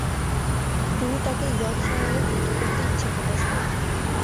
তিনি তাকে ইয়র্কশায়ারে যুক্ত করতে ইচ্ছে প্রকাশ করেন।